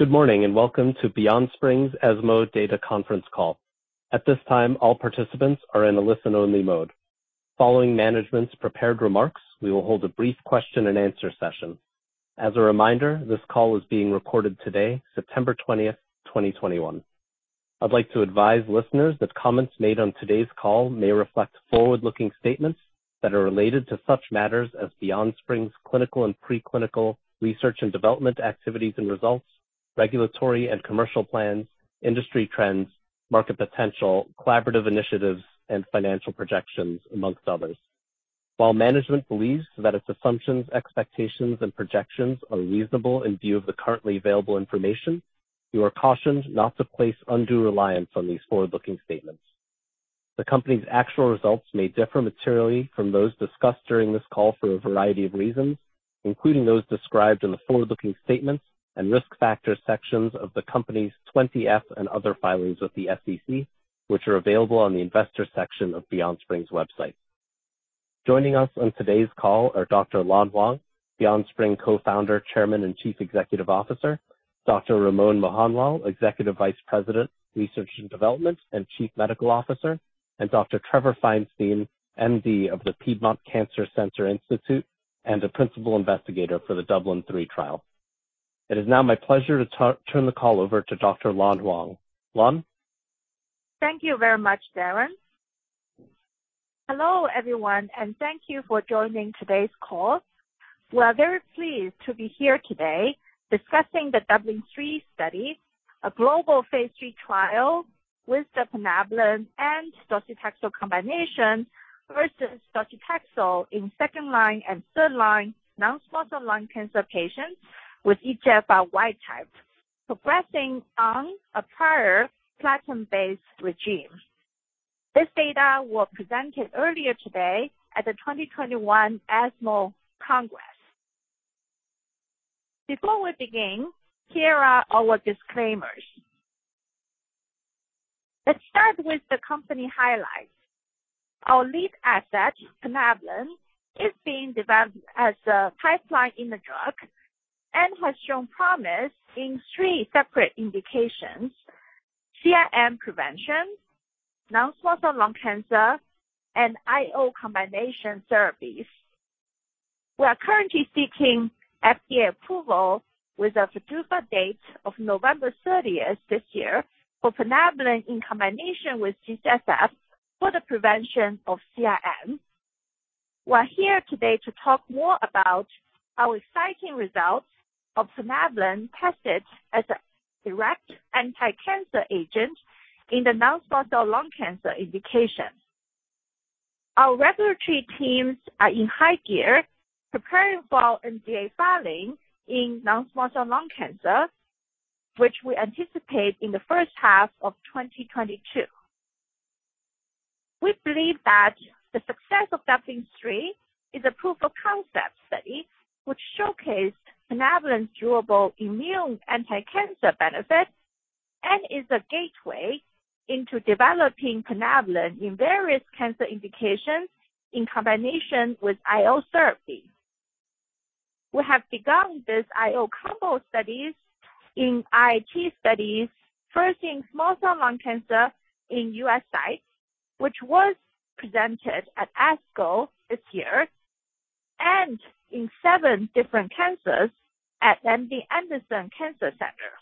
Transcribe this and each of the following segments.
Good morning, welcome to BeyondSpring's ESMO Data Conference Call. At this time, all participants are in a listen-only mode. Following management's prepared remarks, we will hold a brief question and answer session. As a reminder, this call is being recorded today, September 20th, 2021. I'd like to advise listeners that comments made on today's call may reflect forward-looking statements that are related to such matters as BeyondSpring's clinical and pre-clinical research and development activities and results, regulatory and commercial plans, industry trends, market potential, collaborative initiatives, and financial projections, amongst others. While management believes that its assumptions, expectations, and projections are reasonable in view of the currently available information, you are cautioned not to place undue reliance on these forward-looking statements. The company's actual results may differ materially from those discussed during this call for a variety of reasons, including those described in the forward-looking statements and risk factors sections of the company's Form 20-F and other filings with the SEC, which are available on the investor section of BeyondSpring's website. Joining us on today's call are Dr. Lan Huang, BeyondSpring Co-Founder, Chairman, and Chief Executive Officer, Dr. Ramon Mohanlal, Executive Vice President, Research and Development, and Chief Medical Officer, and Dr. Trevor Feinstein, MD of the Piedmont Cancer Institute, and the Principal Investigator for the DUBLIN-3 trial. It is now my pleasure to turn the call over to Dr. Lan Huang. Huang? Thank you very much, Darren. Hello, everyone, and thank you for joining today's call. We are very pleased to be here today discussing the DUBLIN-3 study, a global phase III trial with the plinabulin and docetaxel combination versus docetaxel in second-line and third-line non-small cell lung cancer patients with EGFR wild type, progressing on a prior platinum-based regimen. This data was presented earlier today at the 2021 ESMO Congress. Before we begin, here are our disclaimers. Let's start with the company highlights. Our lead asset, plinabulin, is being developed as a pipeline immunodrug and has shown promise in three separate indications: CIN prevention, non-small cell lung cancer, and IO combination therapies. We are currently seeking FDA approval with a PDUFA date of November 30th this year for plinabulin in combination with G-CSF for the prevention of CIN. We're here today to talk more about our exciting results of plinabulin tested as a direct anticancer agent in the non-small cell lung cancer indication. Our regulatory teams are in high gear preparing for our NDA filing in non-small cell lung cancer, which we anticipate in the first half of 2022. We believe that the success of DUBLIN-3 is a proof-of-concept study which showcased plinabulin's durable immune anticancer benefit and is a gateway into developing plinabulin in various cancer indications in combination with IO therapy. We have begun these IO combo studies in IIT studies, first in small cell lung cancer in U.S. sites, which was presented at ASCO this year, and in seven different cancers at MD Anderson Cancer Center.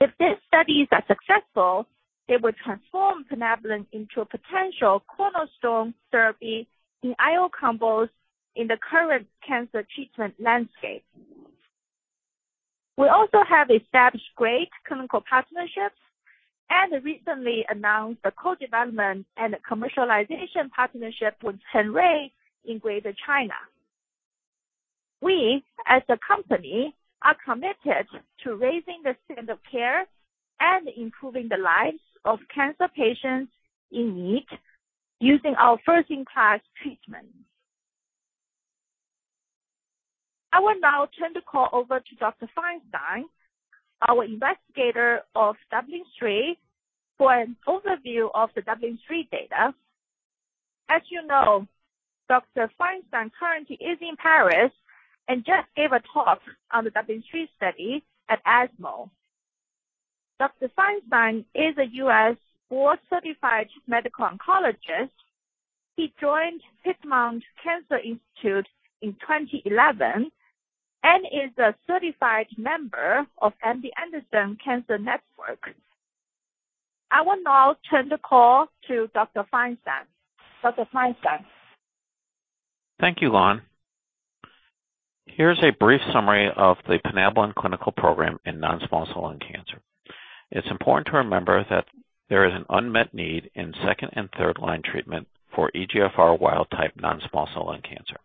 If these studies are successful, they will transform plinabulin into a potential cornerstone therapy in IO combos in the current cancer treatment landscape. We also have established great clinical partnerships and recently announced the co-development and commercialization partnership with Hengrui in Greater China. We, as a company, are committed to raising the standard of care and improving the lives of cancer patients in need using our first-in-class treatments. I will now turn the call over to Dr. Feinstein, our investigator of DUBLIN-3, for an overview of the DUBLIN-3 data. As you know, Dr. Feinstein currently is in Paris and just gave a talk on the DUBLIN-3 study at ESMO. Dr. Feinstein is a U.S. board-certified medical oncologist. He joined Piedmont Cancer Institute in 2011 and is a certified member of MD Anderson Cancer Network. I will now turn the call to Dr. Feinstein. Dr. Feinstein? Thank you, Lan. Here's a brief summary of the plinabulin clinical program in non-small cell lung cancer. It's important to remember that there is an unmet need in second and third-line treatment for EGFR wild type non-small cell lung cancer.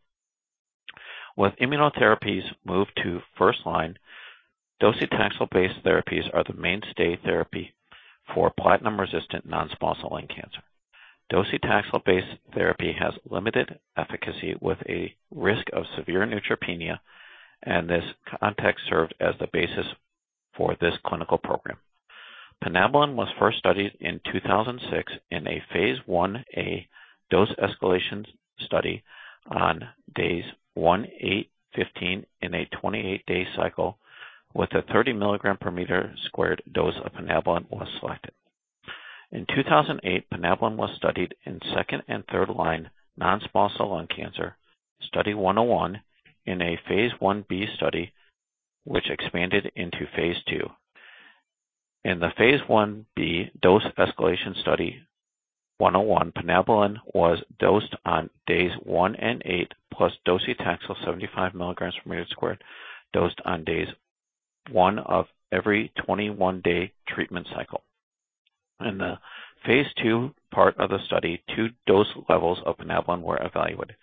With immunotherapies moved to first line, docetaxel-based therapies are the mainstay therapy for platinum-resistant non-small cell lung cancer. Docetaxel-based therapy has limited efficacy with a risk of severe neutropenia, and this context served as the basis for this clinical program. plinabulin was first studied in 2006 in a phase IA dose escalation study on days one, eight, 15 in a 28-day cycle with a 30 mg/m² dose of plinabulin was selected. In 2008, plinabulin was studied in second-and third-line non-small cell lung cancer, Study 101, in a phase IB study, which expanded into phase II. In the phase IB dose escalation Study 101, plinabulin was dosed on days one and eight, plus docetaxel 75 mg/m² dosed on days one of every 21-day treatment cycle. In the phase II part of the study, two dose levels of plinabulin were evaluated,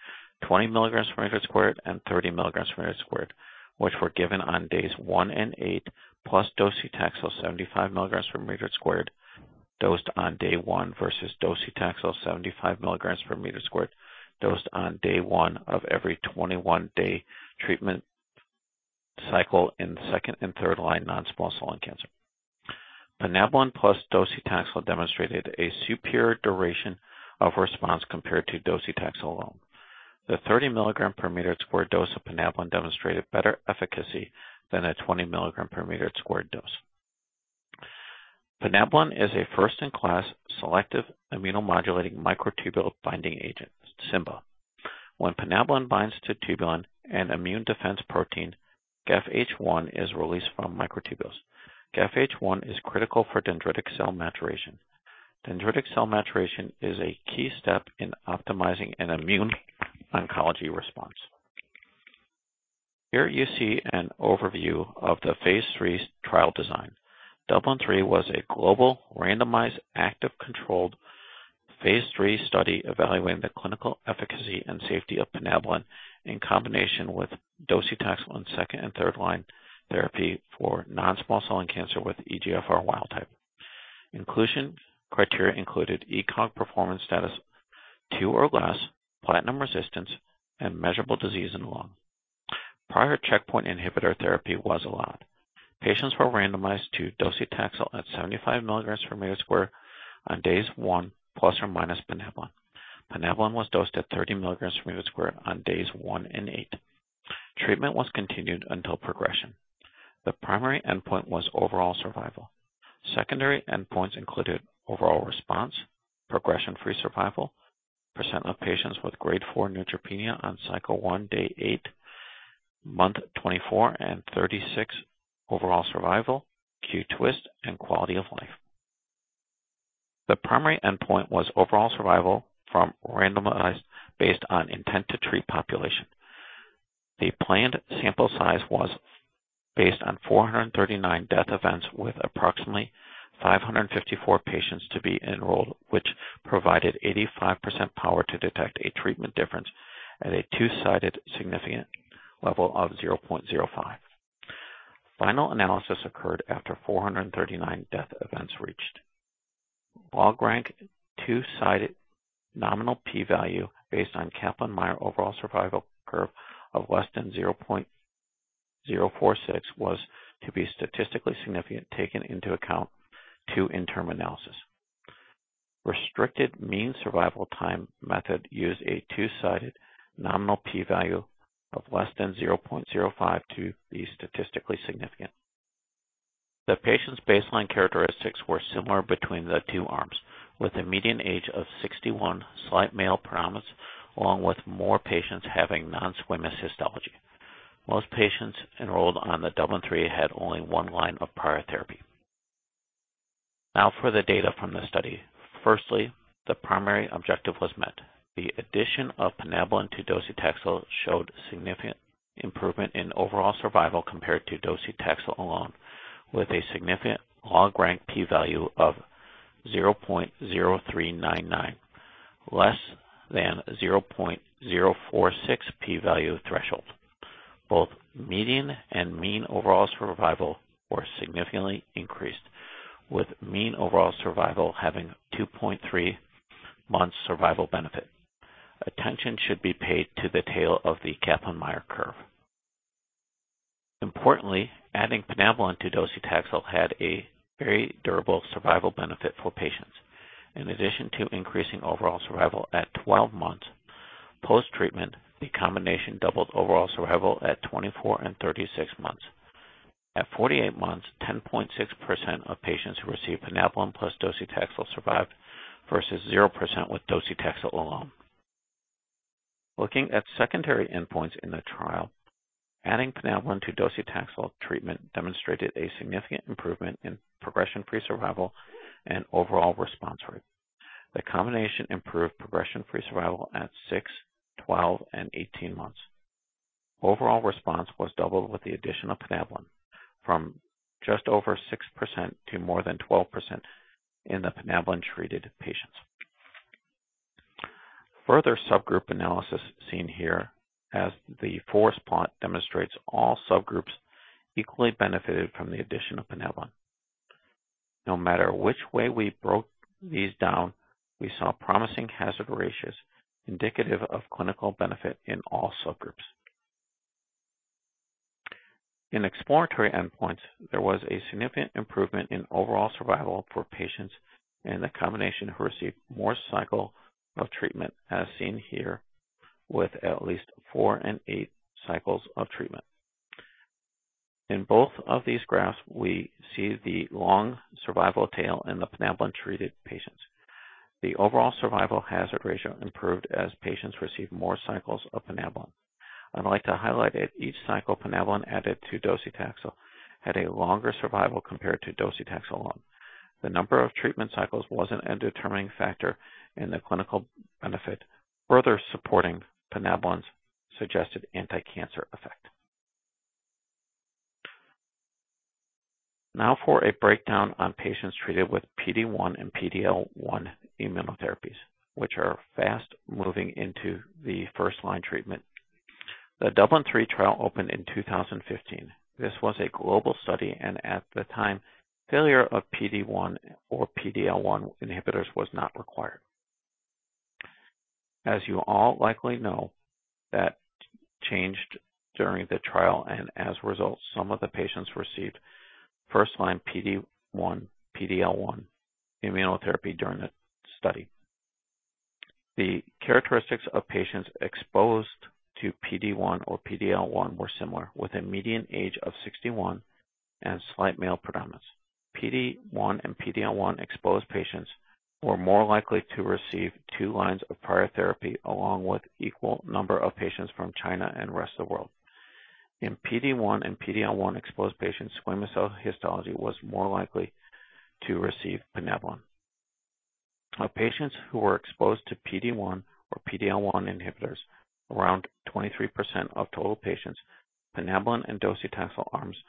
20 mg/m² and 30 mg/m², which were given on days one and eight, plus docetaxel 75 mg/m² dosed on day one versus docetaxel 75 mg/m² dosed on day one of every 21-day treatment cycle in second and third-line non-small cell lung cancer. Plinabulin plus docetaxel demonstrated a superior duration of response compared to docetaxel alone. The 30 mg/m² dose of plinabulin demonstrated better efficacy than a 20 mg/m² dose. plinabulin is a first-in-class selective immunomodulating microtubule binding agent, SIMBA. When plinabulin binds to tubulin, an immune defense protein, GEF-H1 is released from microtubules. GEF-H1 is critical for dendritic cell maturation. Dendritic cell maturation is a key step in optimizing an immune oncology response. Here you see an overview of the phase III trial design. DUBLIN-3 was a global randomized active controlled phase III study evaluating the clinical efficacy and safety of plinabulin in combination with docetaxel on second and third-line therapy for non-small cell lung cancer with EGFR wild type. Inclusion criteria included ECOG performance status two or less, platinum resistance, and measurable disease in lung. Prior checkpoint inhibitor therapy was allowed. Patients were randomized to docetaxel at 75 mg per m² on days one, plus or minus plinabulin. plinabulin was dosed at 30 mg per m² on days one and eight. Treatment was continued until progression. The primary endpoint was overall survival. Secondary endpoints included overall response, progression-free survival, percent of patients with grade 4 neutropenia on cycle one, day eight, month 24 and 36, overall survival, Q-TWiST, and quality of life. The primary endpoint was overall survival from randomized based on intention-to-treat population. The planned sample size was based on 439 death events with approximately 554 patients to be enrolled, which provided 85% power to detect a treatment difference at a two-sided significant level of 0.05. Final analysis occurred after 439 death events reached. Log-rank two-sided nominal P value based on Kaplan-Meier overall survival curve of less than 0.046 was to be statistically significant taken into account to interim analysis. Restricted mean survival time method used a two-sided nominal P value of less than 0.05 to be statistically significant. The patient's baseline characteristics were similar between the two arms, with a median age of 61, slight male predominance, along with more patients having non-squamous histology. Most patients enrolled on the DUBLIN-3 had only one line of prior therapy. Now for the data from the study. The primary objective was met. The addition of plinabulin to docetaxel showed significant improvement in overall survival compared to docetaxel alone, with a significant log-rank P value of 0.0399, less than 0.046 P value threshold. Both median and mean overall survival were significantly increased, with mean overall survival having 2.3 months survival benefit. Attention should be paid to the tail of the Kaplan-Meier curve. Importantly, adding plinabulin to docetaxel had a very durable survival benefit for patients. In addition to increasing overall survival at 12 months post-treatment, the combination doubled overall survival at 24 and 36 months. At 48 months, 10.6% of patients who received plinabulin plus docetaxel survived, versus 0% with docetaxel alone. Looking at secondary endpoints in the trial, adding plinabulin to docetaxel treatment demonstrated a significant improvement in progression-free survival and overall response rate. The combination improved progression-free survival at six, 12, and 18 months. Overall response was doubled with the addition of plinabulin, from just over 6% to more than 12% in the plinabulin-treated patients. Subgroup analysis seen here as the forest plot demonstrates all subgroups equally benefited from the addition of plinabulin. No matter which way we broke these down, we saw promising hazard ratios indicative of clinical benefit in all subgroups. In exploratory endpoints, there was a significant improvement in overall survival for patients in the combination who received more cycle of treatment, as seen here, with at least four and eight cycles of treatment. In both of these graphs, we see the long survival tail in the plinabulin-treated patients. The overall survival hazard ratio improved as patients received more cycles of plinabulin. I'd like to highlight at each cycle, plinabulin added to docetaxel had a longer survival compared to docetaxel alone. The number of treatment cycles was a determining factor in the clinical benefit, further supporting plinabulin's suggested anticancer effect. Now for a breakdown on patients treated with PD-1 and PD-L1 immunotherapies, which are fast moving into the first-line treatment. The DUBLIN-3 trial opened in 2015. This was a global study, and at the time, failure of PD-1 or PD-L1 inhibitors was not required. As you all likely know, that changed during the trial, and as a result, some of the patients received first-line PD-1, PD-L1 immunotherapy during the study. The characteristics of patients exposed to PD-1 or PD-L1 were similar, with a median age of 61 and slight male predominance. PD-1 and PD-L1-exposed patients were more likely to receive two lines of prior therapy, along with equal number of patients from China and rest of the world. In PD-1 and PD-L1-exposed patients, squamous cell histology was more likely to receive plinabulin. Of patients who were exposed to PD-1 or PD-L1 inhibitors, around 23% of total patients, plinabulin and docetaxel arms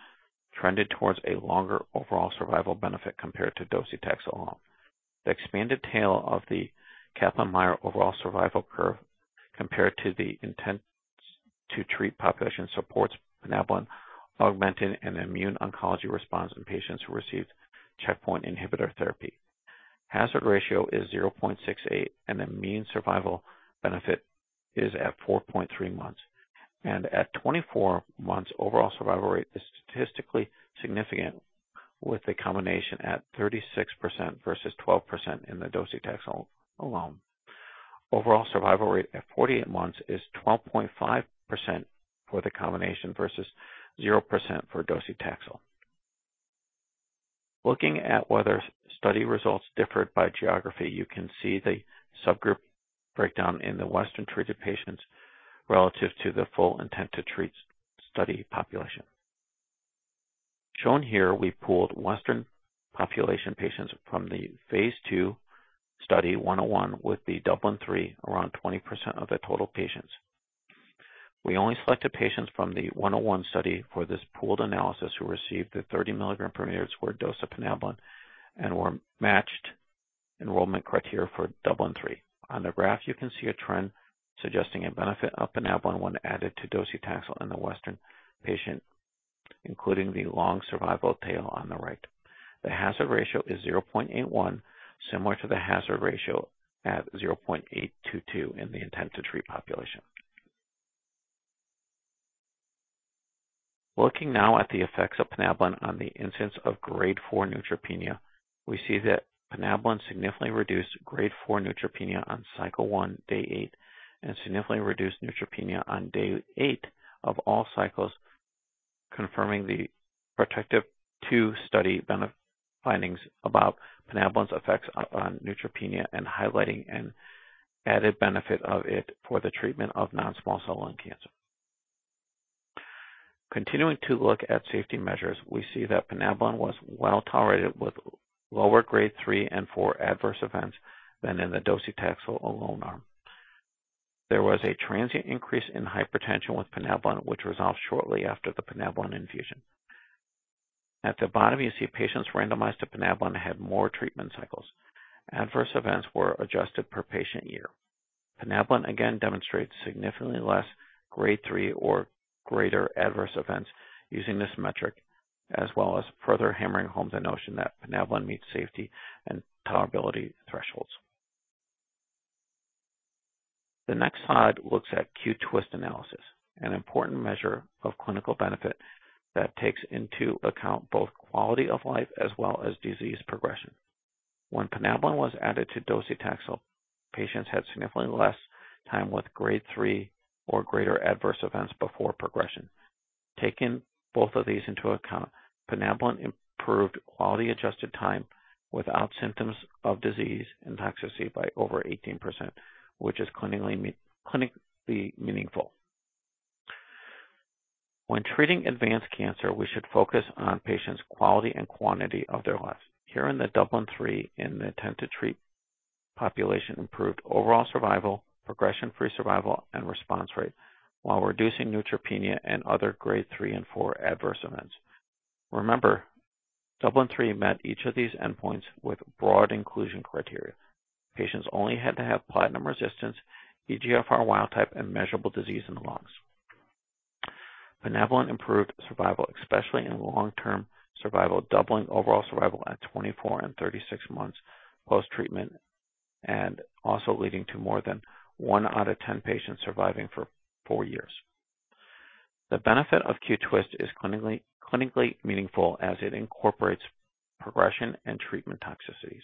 trended towards a longer overall survival benefit compared to docetaxel alone. The expanded tail of the Kaplan-Meier overall survival curve compared to the intention-to-treat population supports plinabulin augmenting an immune oncology response in patients who received checkpoint inhibitor therapy. Hazard ratio is 0.68, the mean survival benefit is at 4.3 months. At 24 months, overall survival rate is statistically significant with the combination at 36% versus 12% in the docetaxel alone. Overall survival rate at 48 months is 12.5% for the combination versus 0% for docetaxel. Looking at whether study results differed by geography, you can see the subgroup breakdown in the Western-treated patients relative to the full intention-to-treat study population. Shown here, we pooled Western population patients from the phase II Study 101 with the DUBLIN-3, around 20% of the total patients. We only selected patients from the Study 101 for this pooled analysis who received the 30 mg per m² dose of plinabulin and were matched enrollment criteria for DUBLIN-3. On the graph, you can see a trend suggesting a benefit of plinabulin when added to docetaxel in the Western patient, including the long survival tail on the right. The hazard ratio is 0.81, similar to the hazard ratio at 0.822 in the intention-to-treat population. Looking now at the effects of plinabulin on the instance of grade 4 neutropenia, we see that plinabulin significantly reduced grade 4 neutropenia on cycle one, day eight, and significantly reduced neutropenia on day eight of all cycles, confirming the PROTECTIVE-2 study findings about plinabulin's effects on neutropenia and highlighting an added benefit of it for the treatment of non-small cell lung cancer. Continuing to look at safety measures, we see that plinabulin was well-tolerated with lower grade 3 and 4 adverse events than in the docetaxel-alone arm. There was a transient increase in hypertension with plinabulin, which resolved shortly after the plinabulin infusion. At the bottom, you see patients randomized to plinabulin had more treatment cycles. Adverse events were adjusted per patient year. plinabulin, again, demonstrates significantly less grade 3 or greater adverse events using this metric, as well as further hammering home the notion that plinabulin meets safety and tolerability thresholds. The next slide looks at Q-TWiST analysis, an important measure of clinical benefit that takes into account both quality of life as well as disease progression. When plinabulin was added to docetaxel, patients had significantly less time with grade 3 or greater adverse events before progression. Taking both of these into account, plinabulin improved quality-adjusted time without symptoms of disease and toxicity by over 18%, which is clinically meaningful. When treating advanced cancer, we should focus on patients' quality and quantity of their lives. Here in the DUBLIN-3, intent-to-treat population improved overall survival, progression-free survival, and response rate while reducing neutropenia and other grade 3 and 4 adverse events. Remember, DUBLIN-3 met each of these endpoints with broad inclusion criteria. Patients only had to have platinum resistance, EGFR wild type, and measurable disease in the lungs. Plinabulin improved survival, especially in long-term survival, doubling overall survival at 24 and 36 months post-treatment. Also leading to more than one out of 10 patients surviving for four years. The benefit of Q-TWiST is clinically meaningful, as it incorporates progression and treatment toxicities.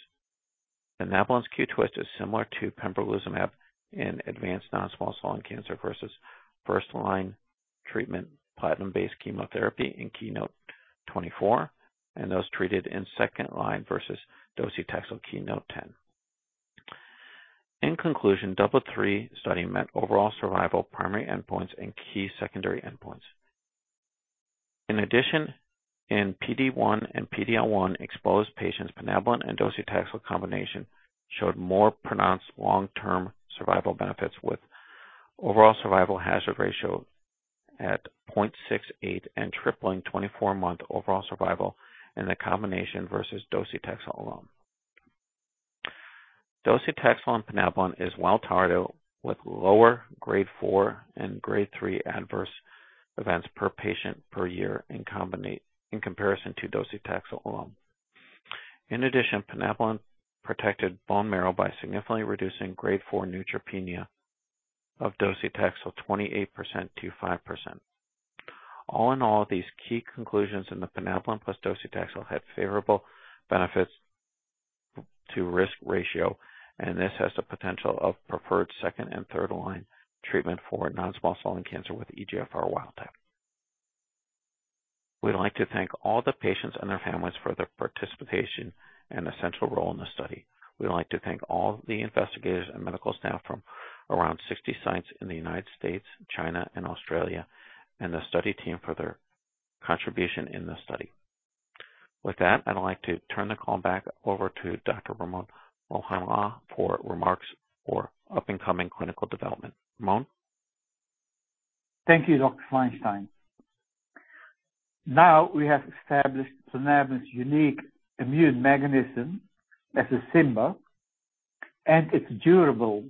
plinabulin's Q-TWiST is similar to pembrolizumab in advanced non-small cell lung cancer versus first-line treatment platinum-based chemotherapy in KEYNOTE-024, and those treated in second line versus docetaxel KEYNOTE-010. In conclusion, DUBLIN-3 study met overall survival, primary endpoints, and key secondary endpoints. In addition, in PD-1 and PD-L1 exposed patients, plinabulin and docetaxel combination showed more pronounced long-term survival benefits, with overall survival hazard ratio at 0.68 and tripling 24-month overall survival in the combination versus docetaxel alone. Docetaxel and plinabulin is well-tolerated, with lower grade 4 and grade 3 adverse events per patient per year in comparison to docetaxel alone. In addition, plinabulin protected bone marrow by significantly reducing grade 4 neutropenia of docetaxel 28%-5%. All in all, these key conclusions in the plinabulin plus docetaxel had favorable benefits to risk ratio, and this has the potential of preferred second and third-line treatment for non-small cell lung cancer with EGFR wild type. We'd like to thank all the patients and their families for their participation and essential role in the study. We'd like to thank all the investigators and medical staff from around 60 sites in the U.S., China, and Australia, and the study team for their contribution in the study. With that, I'd like to turn the call back over to Dr. Ramon Mohanlal for remarks for up-and-coming clinical development. Ramon? Thank you, Doc Feinstein. Now we have established plinabulin's unique immune mechanism as a SIMBA, and its durable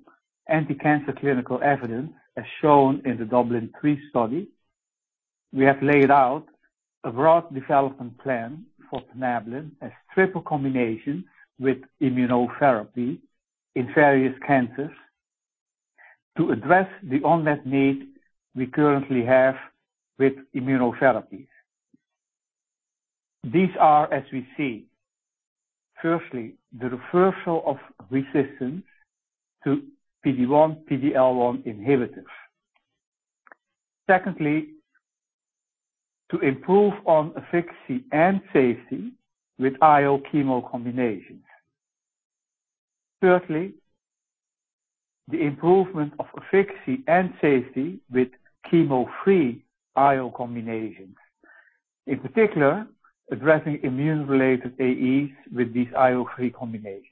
anti-cancer clinical evidence, as shown in the DUBLIN-3 study. We have laid out a broad development plan for plinabulin, a triple combination with immunotherapy in various cancers to address the unmet need we currently have with immunotherapies. These are, as we see, firstly, the reversal of resistance to PD-1, PD-L1 inhibitors. Secondly, to improve on efficacy and safety with IO chemo combinations. Thirdly, the improvement of efficacy and safety with chemo-free IO combinations, in particular addressing immune-related AEs with these IO-free combinations.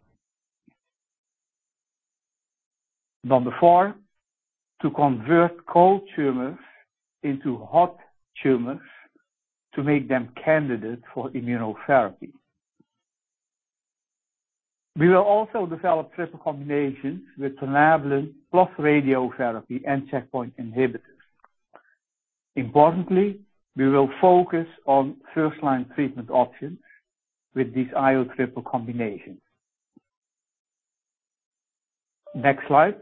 Number four, to convert cold tumors into hot tumors to make them candidate for immunotherapy. We will also develop triple combinations with plinabulin plus radiotherapy and checkpoint inhibitors. Importantly, we will focus on first-line treatment options with these IO triple combinations. Next slide.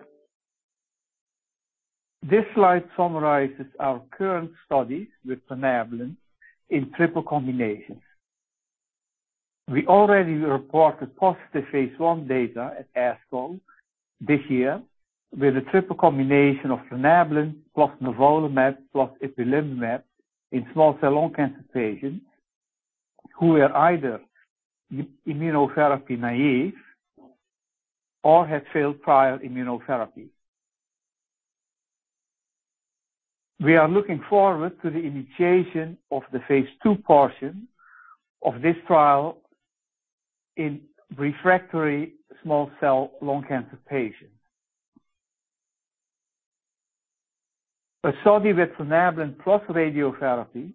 This slide summarizes our current studies with plinabulin in triple combinations. We already reported positive phase I data at ASCO this year with a triple combination of plinabulin plus nivolumab plus ipilimumab in small cell lung cancer patients who were either immunotherapy naive or had failed prior immunotherapy. We are looking forward to the initiation of the phase II portion of this trial in refractory small cell lung cancer patients. A study with plinabulin plus radiotherapy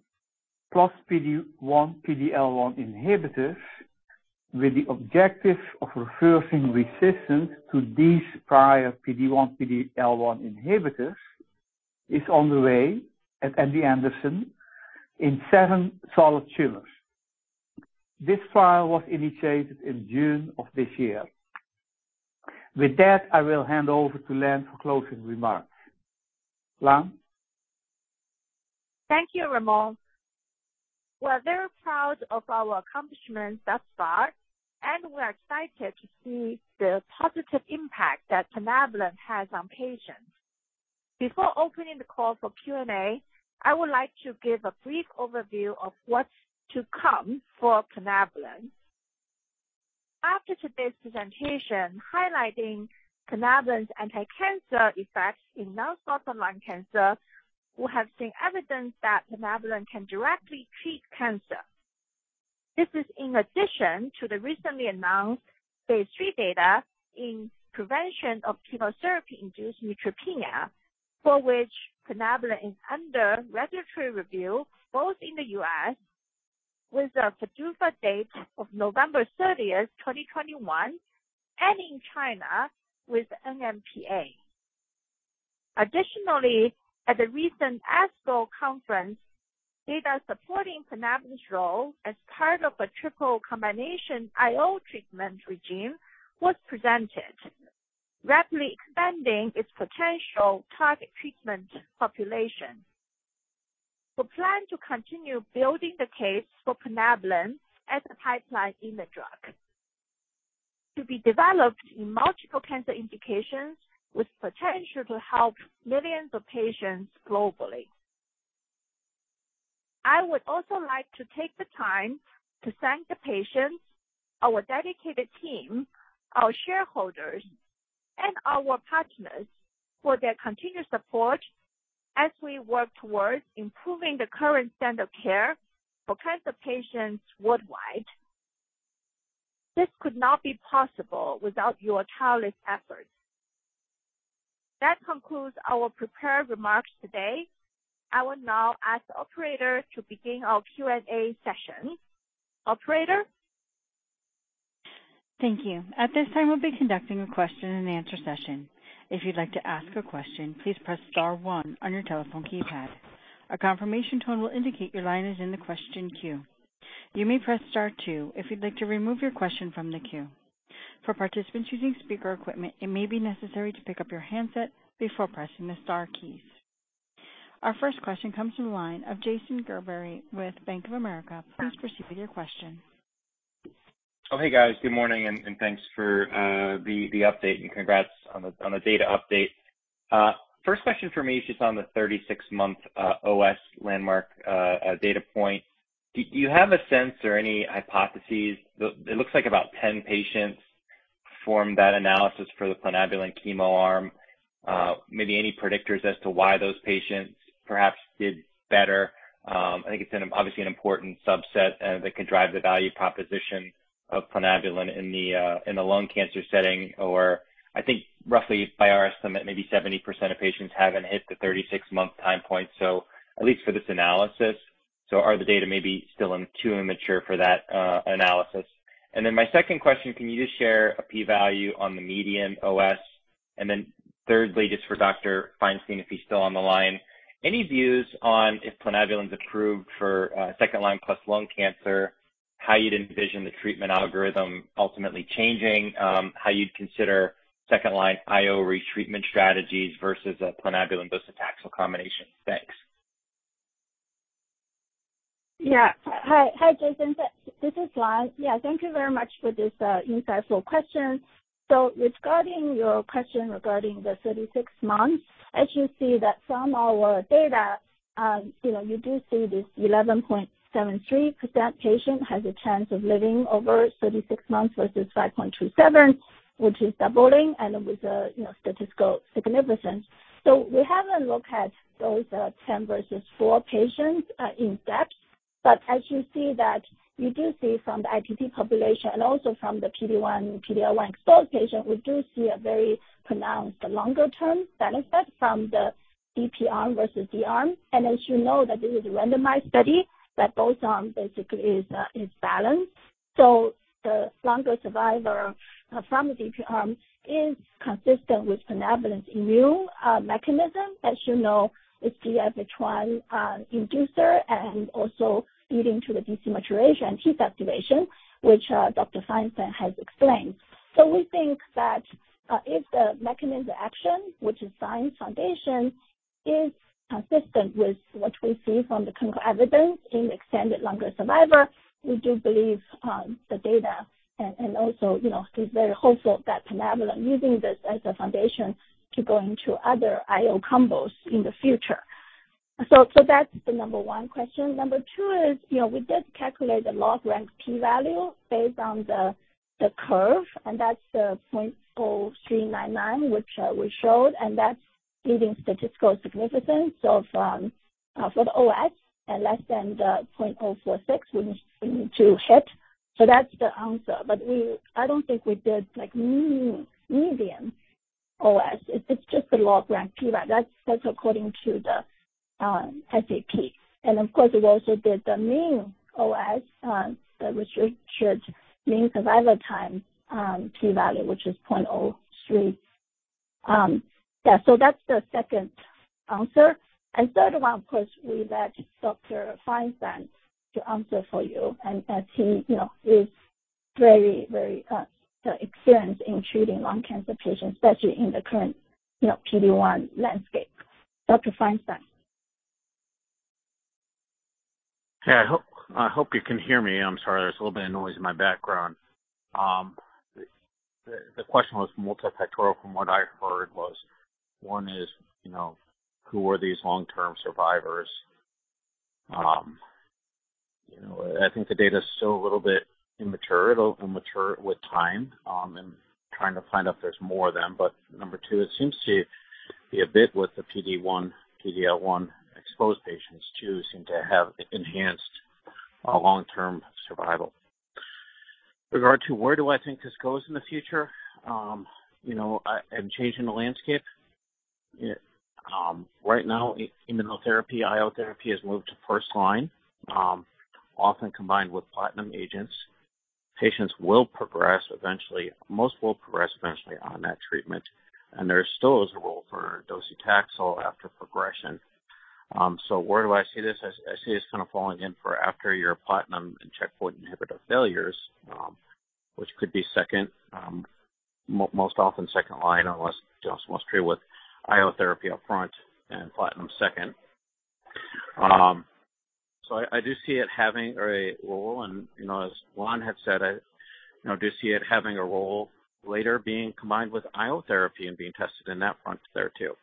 plus PD-1, PD-L1 inhibitors with the objective of reversing resistance to these prior PD-1, PD-L1 inhibitors is on the way at MD Anderson in seven solid tumors. This trial was initiated in June of this year. I will hand over to Lan for closing remarks. Lan? Thank you, Ramon. We're very proud of our accomplishments thus far, and we're excited to see the positive impact that plinabulin has on patients. Before opening the call for Q&A, I would like to give a brief overview of what's to come for plinabulin. After today's presentation highlighting plinabulin's anti-cancer effects in non-small cell lung cancer, we have seen evidence that plinabulin can directly treat cancer. This is in addition to the recently announced phase III data in prevention of chemotherapy-induced neutropenia, for which plinabulin is under regulatory review both in the U.S., with a PDUFA date of November 30th, 2021, and in China with NMPA. Additionally, at the recent ASCO conference, data supporting plinabulin's role as part of a triple combination IO treatment regime was presented, rapidly expanding its potential target treatment population. We plan to continue building the case for plinabulin as a pipeline immuno-drug to be developed in multiple cancer indications with potential to help millions of patients globally. I would also like to take the time to thank the patients, our dedicated team, our shareholders, and our partners for their continued support as we work towards improving the current standard of care for cancer patients worldwide. This could not be possible without your tireless efforts. That concludes our prepared remarks today. I will now ask the operator to begin our Q&A session. Operator? Thank you. At this time, we'll be conducting a question-and-answer session. If you'd like to ask a question, please press star one on your telephone keypad. A confirmation tone will indicate your line is in the question queue. You may press star two if you'd like to remove your question from the queue. For participants using speaker equipment, it may be necessary to pick up your handset before pressing the star keys. Our first question comes from the line of Jason Gerberry with Bank of America. Please proceed with your question. Hey, guys. Good morning, thanks for the update and congrats on the data update. First question from me is just on the 36-month OS landmark data point. Do you have a sense or any hypotheses, it looks like about 10 patients formed that analysis for the plinabulin chemo arm. Maybe any predictors as to why those patients perhaps did better? I think it's obviously an important subset that could drive the value proposition of plinabulin in the lung cancer setting. I think roughly by our estimate, maybe 70% of patients haven't hit the 36-month time point, so at least for this analysis. Are the data maybe still too immature for that analysis? My second question, can you just share a P value on the median OS? Thirdly, just for Dr. Feinstein, if he's still on the line, any views on if plinabulin's approved for second line plus lung cancer, how you'd envision the treatment algorithm ultimately changing? How you'd consider second line IO retreatment strategies versus a plinabulin docetaxel combination? Thanks. Hi, Jason. This is Lan. Thank you very much for this insightful question. Regarding your question regarding the 36 months, as you see that from our data, you do see this 11.73% patient has a chance of living over 36 months versus 5.27%, which is doubling and with statistical significance. We haven't looked at those 10 versus four patients in depth. As you see that you do see from the ITT population and also from the PD-1, PD-L1 exposed patient, we do see a very pronounced longer-term benefit from the DP arm versus D arm. As you know that this is a randomized study that both arm basically is balanced. The longer survivor from the DP arm is consistent with plinabulin's immune mechanism. As you know, it's GEF-H1 inducer and also leading to the DC maturation and T cell activation, which Dr. Feinstein has explained. We think that if the mechanism action, which is science foundation, is consistent with what we see from the clinical evidence in extended longer survivor, we do believe the data and also is very hopeful that plinabulin using this as a foundation to go into other IO combos in the future. That's the number one question. Number two is, we did calculate the log-rank P value based on the curve, and that's the 0.0399, which we showed, and that's leading statistical significance. For the OS and less than the 0.046 we need to hit. That's the answer. I don't think we did median OS. It's just a log rank P. That's according to the SAP. Of course, we also did the mean OS, which should mean survival time, P value, which is 0.03. That's the second answer. Third one, of course, we let Dr. Feinstein to answer for you, and as he is very experienced in treating lung cancer patients, especially in the current PD-1 landscape. Dr. Feinstein. Hey, I hope you can hear me. I'm sorry. There's a little bit of noise in my background. The question was multifactorial from what I heard was one is, who are these long-term survivors? I think the data's still a little bit immature. It'll mature with time. Trying to find out if there's more of them. Number two, it seems to be a bit with the PD-1, PD-L1 exposed patients too seem to have enhanced long-term survival. Regarding to where do I think this goes in the future? Changing the landscape? Right now, immunotherapy, IO therapy has moved to first line, often combined with platinum agents. Patients will progress eventually. Most will progress eventually on that treatment. There still is a role for docetaxel after progression. Where do I see this? I see this kind of falling in for after your platinum and checkpoint inhibitor failures, which could be second, most often second line, unless it's mostly with IO therapy up front and platinum second. I do see it having a role and, as Lan had said, I do see it having a role later, being combined with IO therapy and being tested in that front there, too.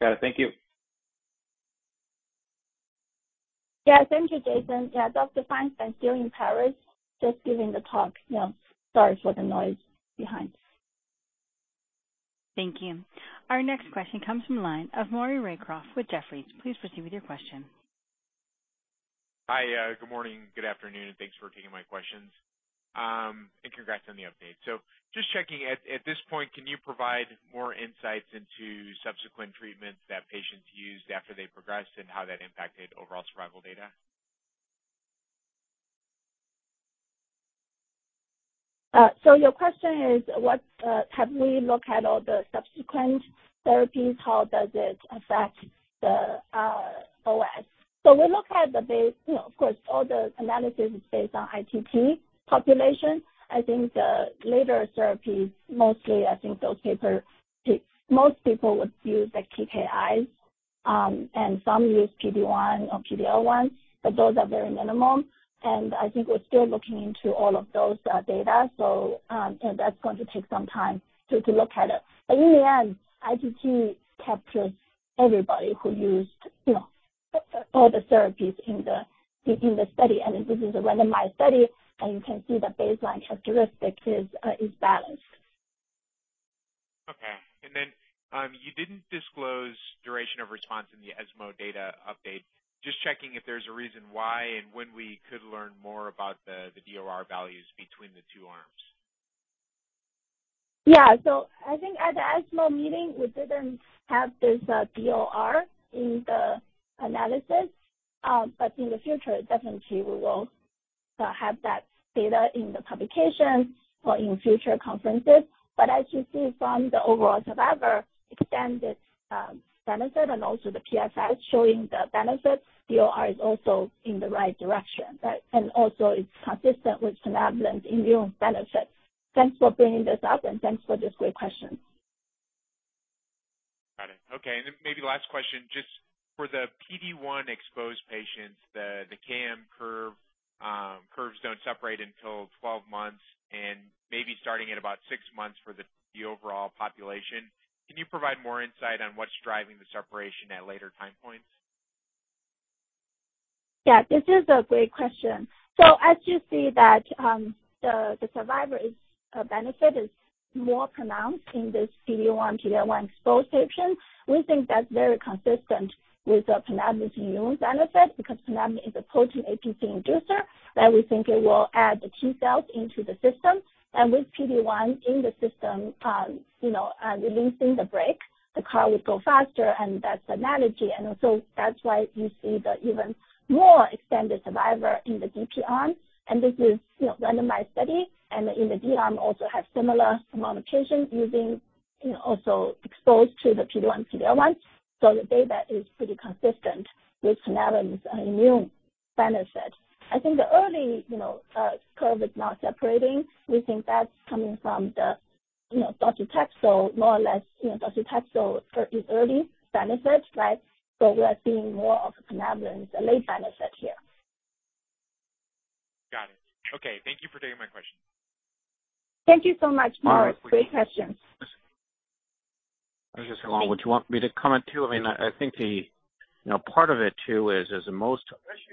Got it. Thank you. Yeah. Thank you, Jason. Yeah. Dr. Feinstein's still in Paris, just giving the talk now. Sorry for the noise behind. Thank you. Our next question comes from the line of Maury Raycroft with Jefferies. Please proceed with your question. Hi. Good morning, good afternoon, thanks for taking my questions. Congrats on the update. Just checking, at this point, can you provide more insights into subsequent treatments that patients used after they progressed and how that impacted overall survival data? Your question is, have we looked at all the subsequent therapies? How does it affect the OS? We look at the base, of course, all the analysis is based on ITT population. I think the later therapies, mostly, I think most people would use the TKIs, and some use PD-1 or PD-L1, but those are very minimal. I think we're still looking into all of those data. That's going to take some time to look at it. In the end, ITT captures everybody who used all the therapies in the study, and this is a randomized study, and you can see the baseline characteristic is balanced. Okay. You didn't disclose duration of response in the ESMO data update. Just checking if there's a reason why and when we could learn more about the DOR values between the two arms. Yeah. I think at the ESMO meeting, we didn't have this DOR in the analysis. In the future, definitely we will have that data in the publication or in future conferences. As you see from the overall survivor extended benefit and also the PFS showing the benefits, DOR is also in the right direction. Right. Also it's consistent with plinabulin immune benefit. Thanks for bringing this up and thanks for this great question. Got it. Okay. Maybe the last question, just for the PD-1 exposed patients, the KM curves don't separate until 12 months and maybe starting at about six months for the overall population. Can you provide more insight on what's driving the separation at later time points? This is a great question. As you see that the survivor benefit is more pronounced in this PD-1, PD-L1 exposed patients. We think that's very consistent with the plinabulin immune benefit because plinabulin is a potent APC inducer that we think it will add the T-cells into the system. With PD-1 in the system, releasing the brake, the car would go faster and that's analogy and so that's why you see the even more extended survivor in the DP arm. This is a randomized study and in the D arm also have similar amount of patients using, also exposed to the PD-1, PD-L1. The data is pretty consistent with plinabulin immune benefit. I think the early curve is not separating. We think that's coming from the docetaxel more or less, docetaxel early benefit. Right. We are seeing more of plinabulin late benefit here. Got it. Okay. Thank you for taking my question. Thank you so much, Maury. Great questions. This is Ramon. Would you want me to comment too? I think part of it too is as most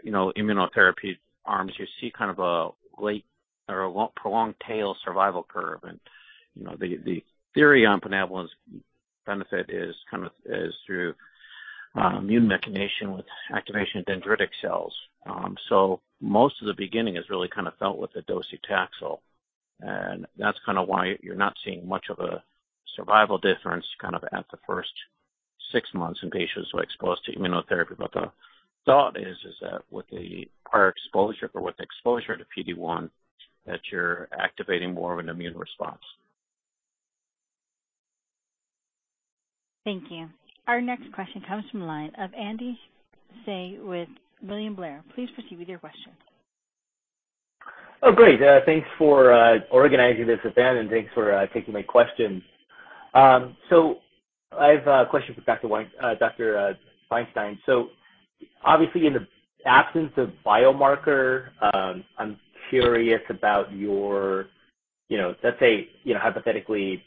immunotherapy arms, you see kind of a late or a prolonged tail survival curve, and the theory on plinabulin's benefit is through immune mechanism with activation of dendritic cells. Most of the beginning is really kind of felt with the docetaxel, and that's kind of why you're not seeing much of a survival difference kind of at the first six months in patients who are exposed to immunotherapy. The thought is that with the prior exposure or with exposure to PD-1, that you're activating more of an immune response. Thank you. Our next question comes from the line of Andy Hsieh with William Blair. Please proceed with your question. Oh, great. Thanks for organizing this event and thanks for taking my questions. I have a question for Dr. Feinstein. Obviously in the absence of biomarker, I'm curious about, let's say, hypothetically,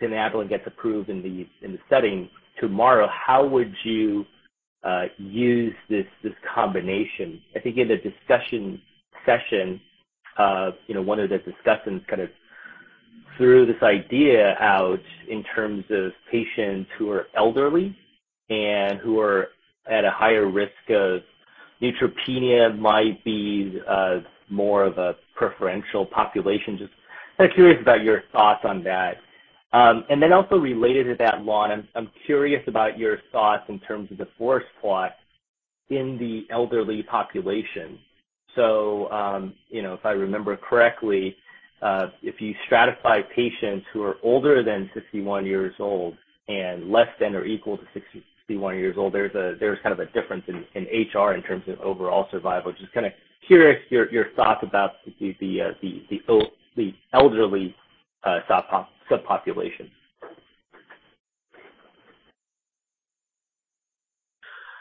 plinabulin gets approved in the setting tomorrow. How would you use this combination? I think in the discussion session, one of the discussants kind of threw this idea out in terms of patients who are elderly and who are at a higher risk of neutropenia might be more of a preferential population. Just kind of curious about your thoughts on that. Then also related to that, Lan, I'm curious about your thoughts in terms of the forest plot in the elderly population. If I remember correctly, if you stratify patients who are older than 61 years old and less than or equal to 61 years old, there's kind of a difference in HR in terms of overall survival. Just kind of curious your thoughts about the elderly subpopulation.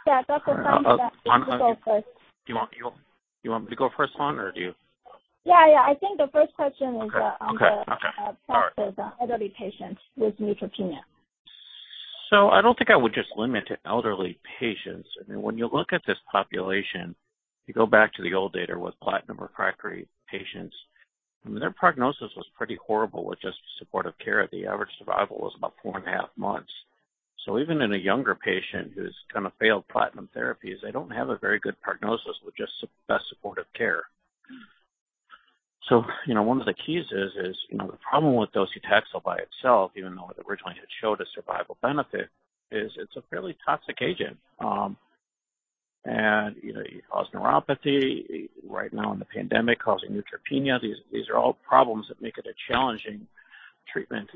Yeah. Dr. Feinstein, you can go first. Do you want me to go first, Lan or do you? Yeah. I think the first question is Okay. All right. --on the effect of elderly patients with neutropenia. I don't think I would just limit it to elderly patients. When you look at this population, you go back to the old data with platinum-refractory patients, their prognosis was pretty horrible with just supportive care. The average survival was about 4.5 months. Even in a younger patient who's failed platinum therapies, they don't have a very good prognosis with just best supportive care. One of the keys is the problem with docetaxel by itself, even though it originally had showed a survival benefit, is it's a fairly toxic agent. You cause neuropathy, right now in the pandemic, causing neutropenia. These are all problems that make it a challenging treatment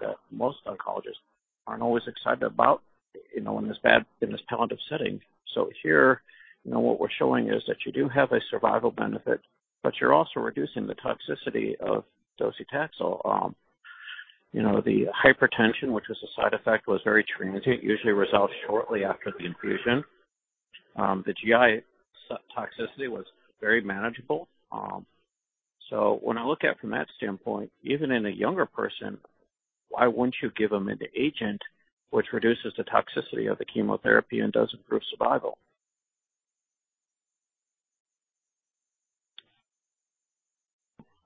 that most oncologists aren't always excited about in this palliative setting. Here, what we're showing is that you do have a survival benefit, but you're also reducing the toxicity of docetaxel. The hypertension, which was a side effect, was very transient, usually resolved shortly after the infusion. The GI toxicity was very manageable. When I look at it from that standpoint, even in a younger person, why wouldn't you give them an agent which reduces the toxicity of the chemotherapy and does improve survival?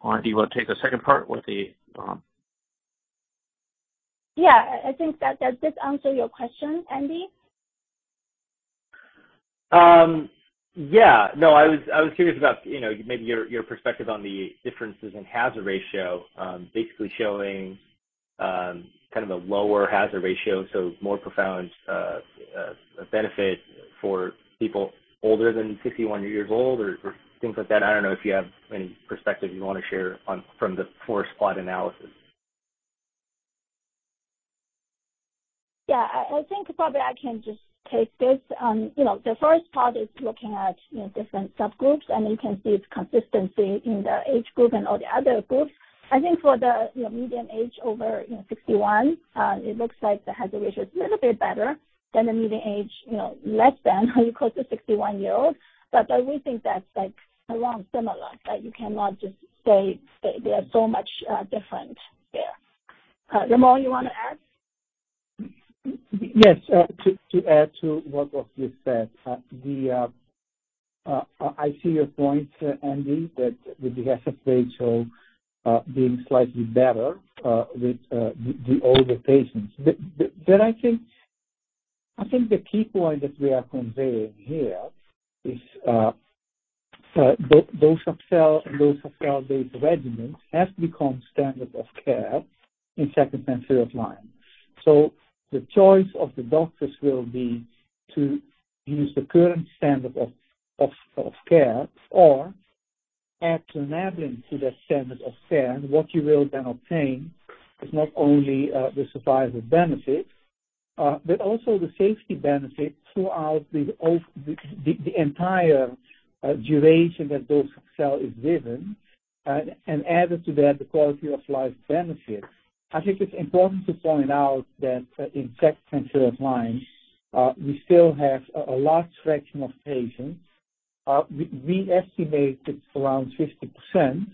Lan, do you want to take the second part with the Yeah. I think that this answers your question, Andy. Yeah. No, I was curious about maybe your perspective on the differences in hazard ratio, basically showing kind of a lower hazard ratio, so more profound benefit for people older than 61 years old or things like that. I don't know if you have any perspective you want to share from the forest plot analysis. I think probably I can just take this. The first part is looking at different subgroups, and you can see its consistency in the age group and all the other groups. I think for the median age over 61, it looks like the hazard ratio is a little bit better than the median age less than or equal to 61 years old. I would think that's around similar, that you cannot just say they are so much different there. Ramon, you want to add? Yes. To add to what was just said. I see your point, Andy, that with the [inaudible] being slightly better with the older patients. I think the key point that we are conveying here is docetaxel and docetaxel-based regimens have become standard of care in second and third line. The choice of the doctors will be to use the current standard of care or add trametinib to that standard of care. What you will then obtain is not only the survival benefit but also the safety benefit throughout the entire duration that docetaxel is given, and added to that, the quality of life benefit. I think it's important to point out that in second and third line, we still have a large fraction of patients, we estimate it's around 50%,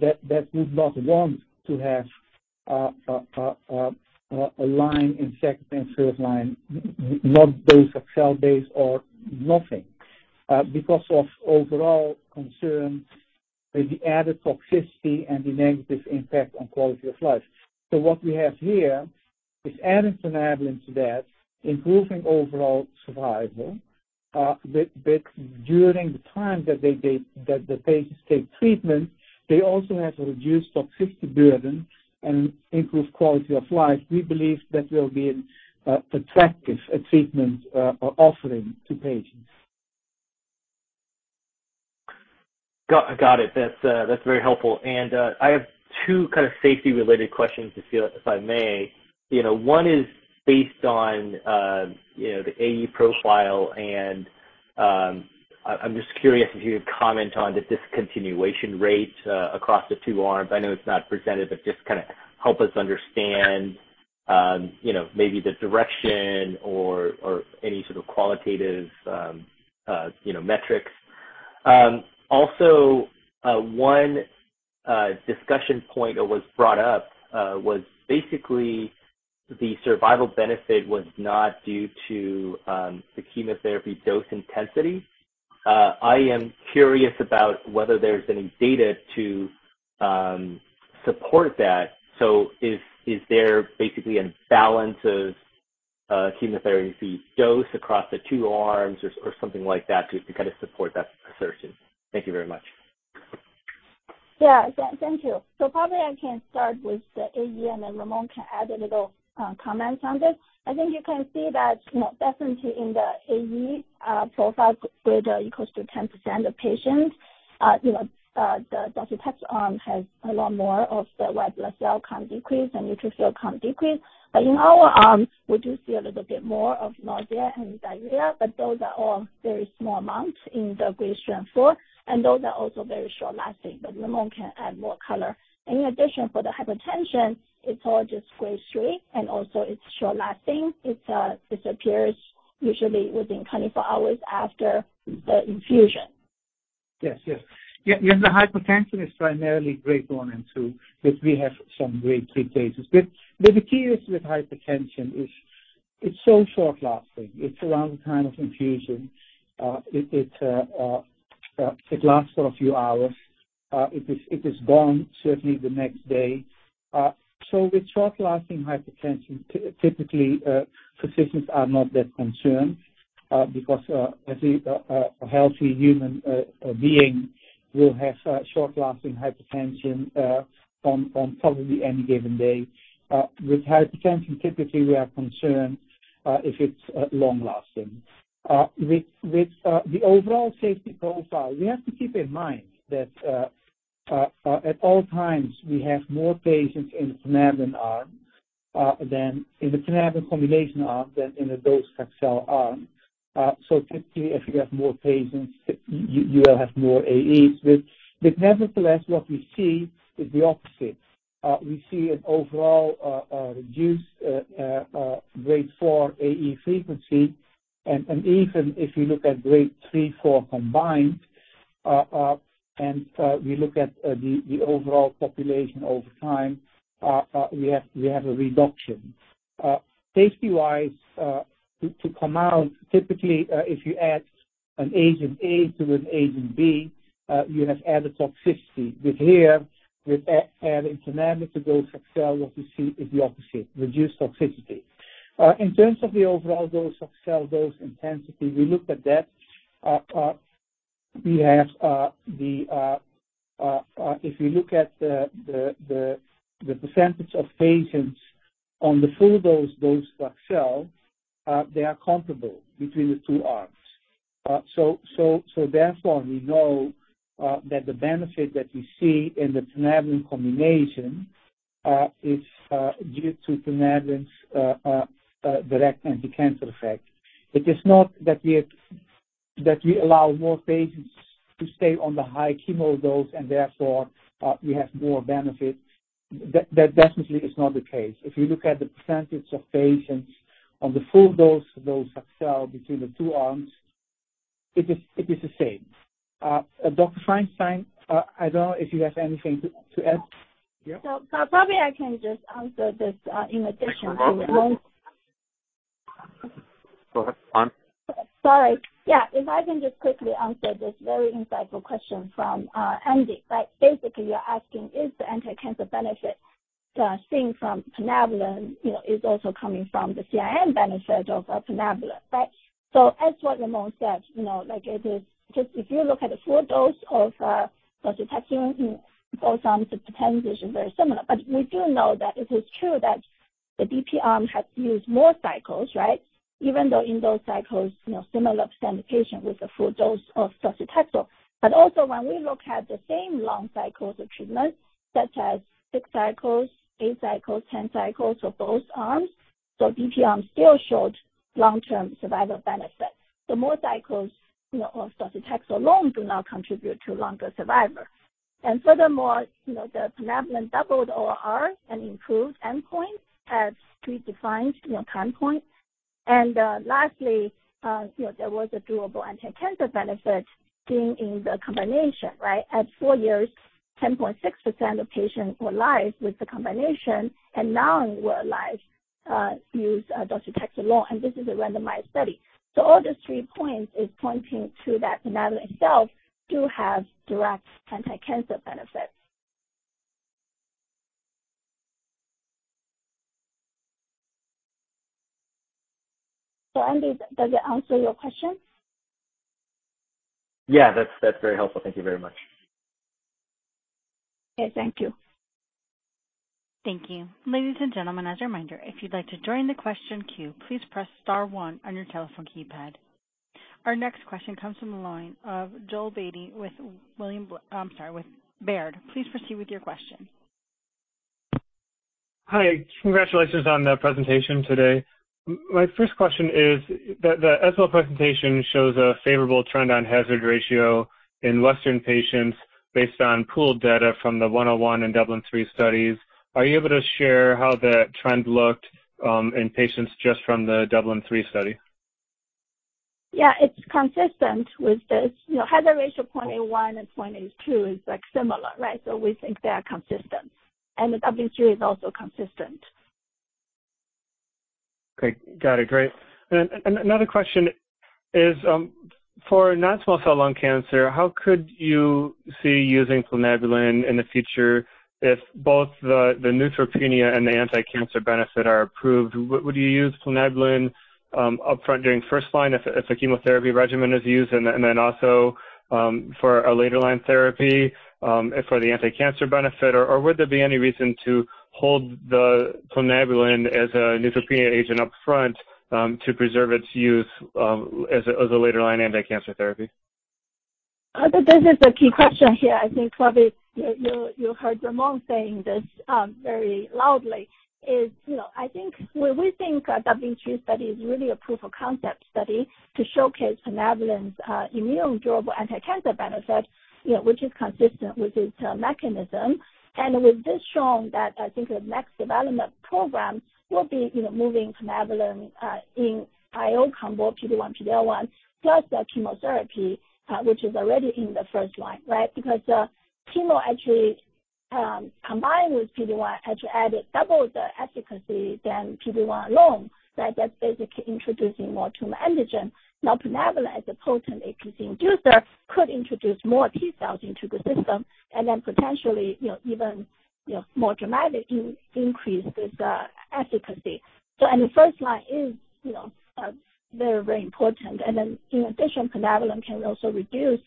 that would not want to have a line in second and third line, not docetaxel-based or nothing, because of overall concern with the added toxicity and the negative impact on quality of life. What we have here is adding trametinib to that, improving overall survival, but during the time that the patients take treatment, they also have a reduced toxicity burden and improved quality of life. We believe that will be an attractive treatment offering to patients. Got it. That's very helpful. I have two safety-related questions, if I may. One is based on the AE profile, and I'm just curious if you could comment on the discontinuation rate across the two arms. I know it's not presented, but just kind of help us understand maybe the direction or any sort of qualitative metrics. Also, one discussion point that was brought up was basically the survival benefit was not due to the chemotherapy dose intensity. I am curious about whether there's any data to support that. Is there basically a balance of chemotherapy dose across the two arms or something like that to support that assertion. Thank you very much. Yeah. Thank you. Probably I can start with the AE, and then Ramon can add a little comment on this. I think you can see that definitely in the AE profile with equal to 10% of patients, the docetaxel arm has a lot more of the white blood cell count decrease and neutrophil count decrease. In our arm, we do see a little bit more of nausea and diarrhea, but those are all very small amounts in the grade 3 and 4, and those are also very short-lasting. Ramon can add more color. In addition, for the hypertension, it's all just grade 3 and also, it's short-lasting. It disappears usually within 24 hours after the infusion. Yes. The hypertension is primarily grade 1 and 2, but we have some grade 3 cases. The key with hypertension is it's so short-lasting. It's around the time of infusion. It lasts for a few hours. It is gone certainly the next day. With short-lasting hypertension, typically, physicians are not that concerned because a healthy human being will have short-lasting hypertension on probably any given day. With hypertension, typically, we are concerned if it's long-lasting. With the overall safety profile, we have to keep in mind that at all times we have more patients in the plinabulin arm, in the plinabulin combination arm than in the docetaxel arm. Typically, if you have more patients, you will have more AEs. Nevertheless, what we see is the opposite. We see an overall reduced grade 4 AE frequency. Even if you look at grade 3, 4 combined, and we look at the overall population over time, we have a reduction. Safety-wise, to come out, typically, if you add an agent A to an agent B, you have added toxicity. With here, with adding plinabulin to docetaxel, what we see is the opposite, reduced toxicity. In terms of the overall docetaxel dose intensity, we looked at that. If we look at the percentage of patients on the full dose docetaxel, they are comparable between the two arms. Therefore, we know that the benefit that we see in the plinabulin combination is due to plinabulin's direct anticancer effect. It is not that we allow more patients to stay on the high chemo dose and therefore we have more benefit. That definitely is not the case. If you look at the percentage of patients on the full dose docetaxel between the two arms, it is the same. Dr. Feinstein, I don't know if you have anything to add. Probably I can just answer this in addition to Ramon. Go ahead, An. Sorry. Yeah. If I can just quickly answer this very insightful question from Andy. Basically, you're asking is the anticancer benefit seen from plinabulin is also coming from the CIN benefit of plinabulin, right? As what Ramon said, if you look at a full dose of docetaxel in both arms, the potential is very similar. We do know that it is true that the DP arm had used more cycles. Even though in those cycles, similar extent of patient with a full dose of docetaxel. Also when we look at the same long cycles of treatment, such as six cycles, eight cycles, 10 cycles for both arms, DP arm still showed long-term survival benefit. The more cycles of docetaxel alone do not contribute to longer survival. Furthermore, the plinabulin doubled OR and improved endpoint at predefined time point. Lastly, there was a durable anticancer benefit seen in the combination. At four years, 10.6% of patients were alive with the combination and none were alive with docetaxel alone. This is a randomized study. All these three points is pointing to that plinabulin itself do have direct anticancer benefit. Andy, does it answer your question? Yeah. That's very helpful. Thank you very much. Okay. Thank you. Thank you. Ladies and gentlemen, as a reminder, if you'd like to join the question queue, please press star one on your telephone keypad. Our next question comes from the line of Joel Beatty with Baird. Please proceed with your question. Hi. Congratulations on the presentation today. My first question is, the ESMO presentation shows a favorable trend on hazard ratio in Western patients based on pooled data from the 101 and DUBLIN-3 studies. Are you able to share how the trend looked in patients just from the DUBLIN-3 study? Yeah. It's consistent with this. Hazard ratio 0.81 and 0.82 is similar. We think they are consistent. The W3 is also consistent. Great. Got it. Great. Another question is for non-small cell lung cancer, how could you see using plinabulin in the future if both the neutropenia and the anti-cancer benefit are approved? Would you use plinabulin up front during first-line if a chemotherapy regimen is used, and then also for a later-line therapy for the anti-cancer benefit? Would there be any reason to hold the plinabulin as a neutropenia agent up front to preserve its use as a later-line anti-cancer therapy? This is a key question here. I think probably you heard Ramon saying this very loudly. We think the WH study is really a proof of concept study to showcase plinabulin's immune durable anti-cancer benefit, which is consistent with its mechanism. With this shown that I think the next development program will be moving plinabulin in IO combo, PD-1, PD-L1, plus the chemotherapy which is already in the first line, right? Chemo actually combined with PD-1 actually added double the efficacy than PD-1 alone. That's basically introducing more tumor antigen. plinabulin as a potent APC inducer could introduce more T-cells into the system and then potentially, even more dramatically increase this efficacy. The first line is very important. In addition, plinabulin can also reduce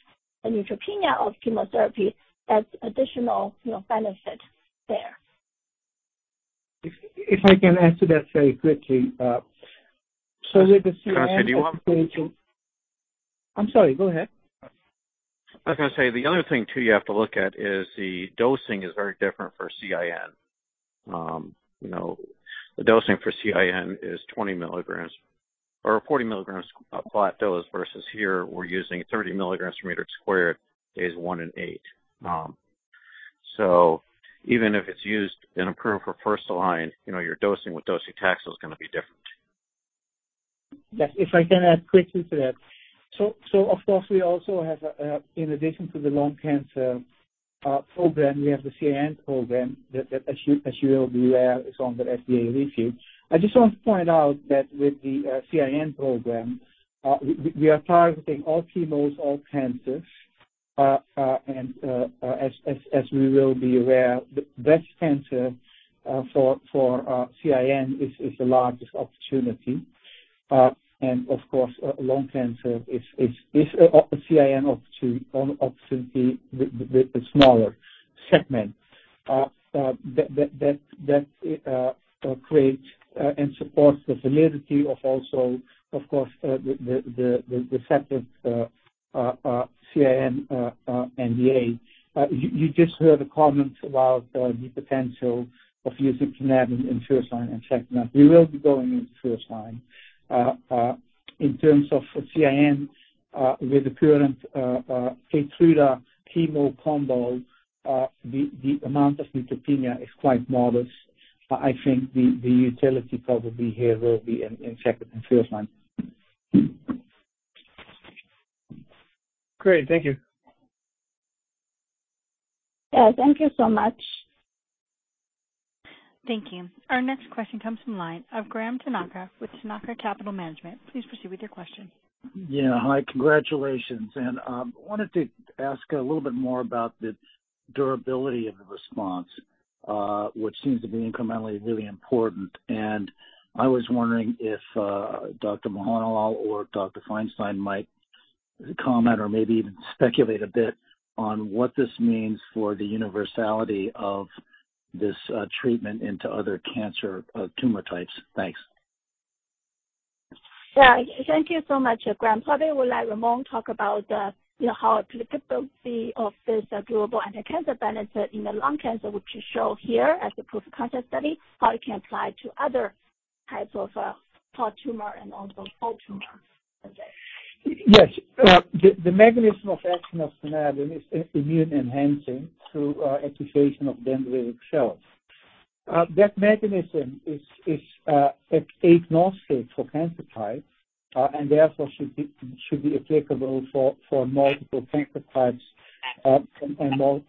the neutropenia of chemotherapy as additional benefit there. If I can add to that very quickly. With the CIN Can I add to that? I'm sorry, go ahead. I was going to say, the other thing too you have to look at is the dosing is very different for CIN. The dosing for CIN is 20 mg or 40 mg flat dose versus here we're using 30 mg/m² days one and eight. Even if it's used and approved for first-line, you're dosing with docetaxel is going to be different. Yes, if I can add quickly to that. Of course, we also have, in addition to the lung cancer program, we have the CIN program that, as you are aware, is under FDA review. I just want to point out that with the CIN program, we are targeting all chemos, all cancers, and as we will be aware, breast cancer for CIN is the largest opportunity. Of course, lung cancer is a CIN opportunity with a smaller segment. That creates and supports the validity of also, of course, the second CIN NDA. You just heard the comments about the potential of using plinabulin in first line and second line. We will be going into first line. In terms of CIN with the current KEYTRUDA chemo combo, the amount of neutropenia is quite modest. I think the utility probably here will be in second and first-line. Great, thank you. Yeah, thank you so much. Thank you. Our next question comes from the line of Graham Tanaka with Tanaka Capital Management. Please proceed with your question. Yeah. Hi, congratulations. I wanted to ask a little bit more about the durability of the response, which seems to be incrementally really important. I was wondering if Dr. Mohanlal or Dr. Feinstein might comment or maybe even speculate a bit on what this means for the universality of this treatment into other cancer tumor types. Thanks. Yeah. Thank you so much, Graham. Probably would let Ramon talk about how applicability of this durable anti-cancer benefit in the lung cancer, which is shown here as a proof-of-concept study, how it can apply to other types of solid tumor and also all tumors. Yes. The mechanism of action of plinabulin is immune enhancing through activation of dendritic cells. That mechanism is agnostic for cancer types and therefore should be applicable for multiple cancer types and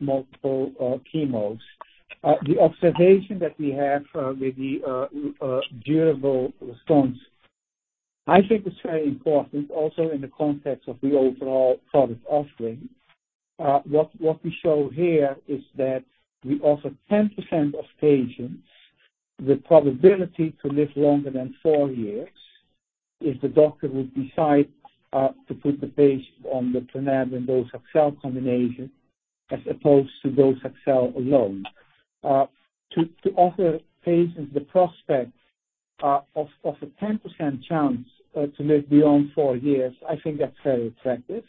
multiple chemos. The observation that we have with the durable response I think is very important also in the context of the overall product offering. What we show here is that we offer 10% of patients the probability to live longer than four years if the doctor would decide to put the patient on the plinabulin docetaxel combination as opposed to docetaxel alone. To offer patients the prospect of a 10% chance to live beyond four years, I think that's very attractive.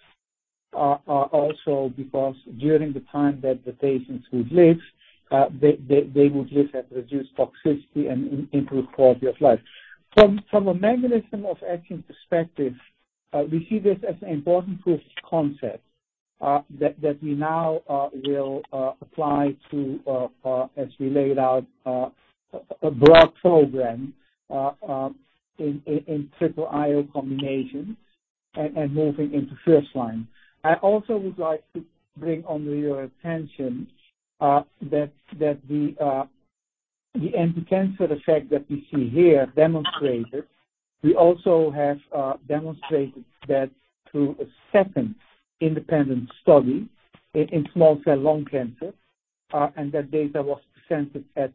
Also, because during the time that the patients would live, they would live at reduced toxicity and improved quality of life. From a mechanism of action perspective, we see this as an important proof of concept that we now will apply to as we laid out a broad program in triple IO combination and moving into first line. I also would like to bring under your attention that the anticancer effect that we see here demonstrated, we also have demonstrated that through a second independent study in small cell lung cancer, and that data was presented at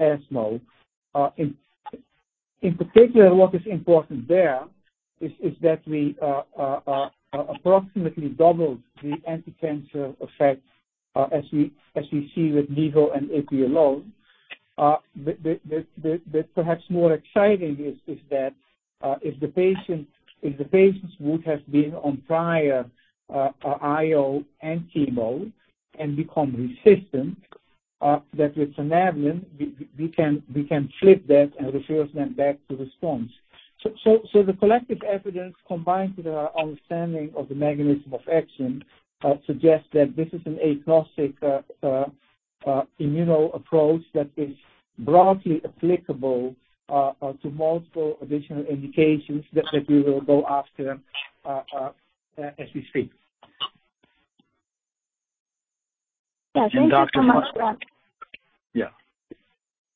ESMO. In particular, what is important there is that we approximately doubled the anticancer effect as we see with Nivo and ipilimumab. Perhaps more exciting is that if the patients would have been on prior IO and chemo and become resistant, that with cenabrin, we can flip that and reverse them back to response. The collective evidence combined with our understanding of the mechanism of action suggests that this is an agnostic immuno approach that is broadly applicable to multiple additional indications that we will go after as we speak. Yes. Thank you so much. Yeah.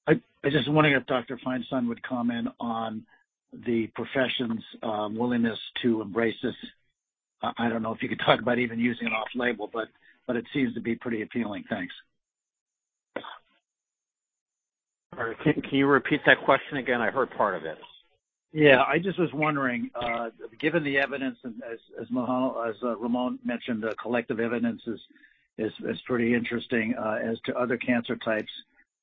I'm just wondering if Dr. Feinstein would comment on the profession's willingness to embrace this. I don't know if you could talk about even using it off label, but it seems to be pretty appealing. Thanks. All right. Can you repeat that question again? I heard part of it. Yeah. I just was wondering, given the evidence, as Ramon mentioned, the collective evidence is pretty interesting as to other cancer types.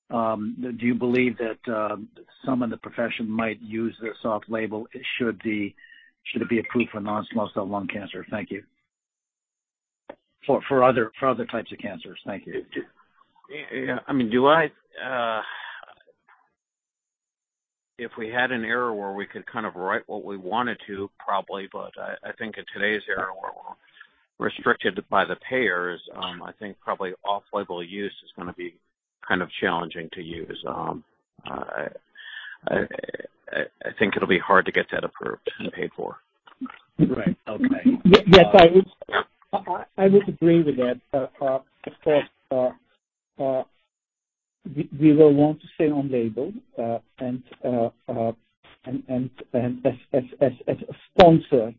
Do you believe that some in the profession might use this off label should it be approved for non-small cell lung cancer? Thank you. For other types of cancers. Thank you. If we had an era where we could write what we wanted to, probably, but I think in today's era, where we're restricted by the payers, I think probably off-label use is going to be challenging to use. I think it'll be hard to get that approved and paid for. Right. Okay. Yes. I would agree with that. Of course, we will want to stay on label, and as a sponsor,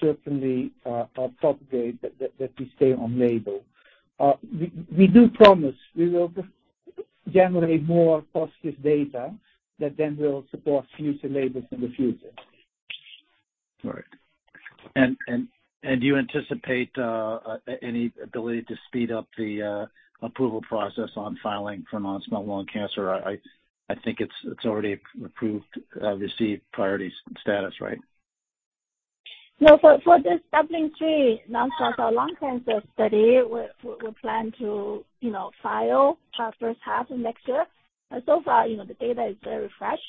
certainly propagate that we stay on label. We do promise we will generate more positive data that then will support future labels in the future. Right. Do you anticipate any ability to speed up the approval process on filing for non-small cell lung cancer? I think it's already approved, received priority status, right? No. For this DUBLIN-3 non-small cell lung cancer study, we plan to file first half of next year. So far, the data is very fresh,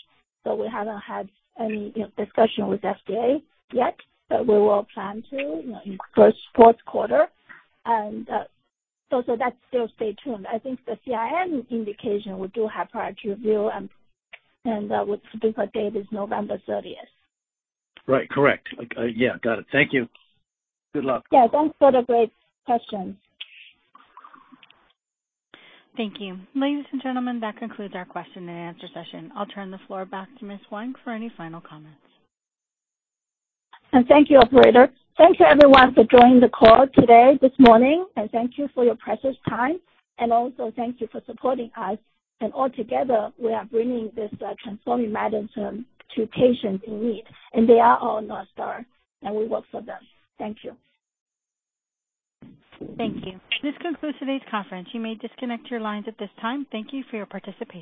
so we haven't had any discussion with FDA yet. We will plan to in first, fourth quarter. That's still stay tuned. I think the CIN indication we do have priority review, and with specific date is November 30th. Right. Correct. Yeah. Got it. Thank you. Good luck. Yeah. Thanks for the great question. Thank you. Ladies and gentlemen, that concludes our question-and-answer session. I'll turn the floor back to Ms. Huang for any final comments. Thank you, operator. Thank you everyone for joining the call today, this morning, and thank you for your precious time, and also thank you for supporting us. Altogether, we are bringing this transforming medicine to patients in need, and they are our north star, and we work for them. Thank you. Thank you. This concludes today's conference. You may disconnect your lines at this time. Thank you for your participation.